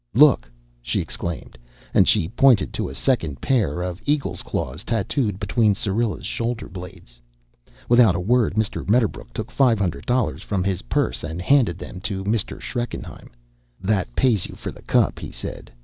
"Look!" she exclaimed, and she pointed to a second pair of eagle's claws tattooed between Syrilla's shoulder blades. Without a word Mr. Medderbrook took five hundred dollars from his purse and handed them to Mr. Schreckenheim. "That pays you for the cup," he said.